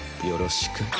よろしく。